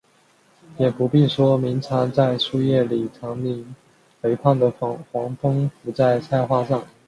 也不必说鸣蝉在树叶里长吟，肥胖的黄蜂伏在菜花上